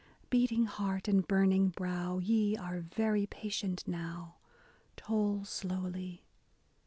Beating heart and burning brow, ye are very patient now, Toll slowly.